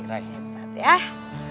ya yaudah deh